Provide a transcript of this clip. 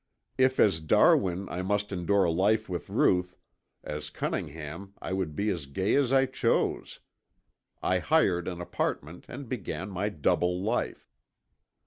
If as Darwin I must endure life with Ruth, as Cunningham I would be as gay as I chose. I hired an apartment and began my double life.